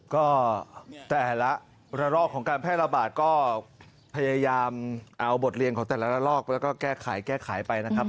ก็แต่ละระลอกของการแพร่ระบาดก็พยายามเอาบทเรียนของแต่ละลอกแล้วก็แก้ไขแก้ไขไปนะครับ